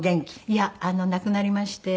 いや亡くなりまして。